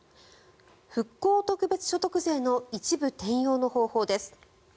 復興特別所得税の一部転用の方法です。